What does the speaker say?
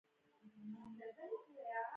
له همدې امله یو بد امکان شته.